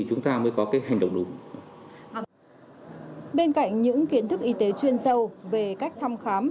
chúng ta mới có cái hành động đúng bên cạnh những kiến thức y tế chuyên sâu về cách thăm khám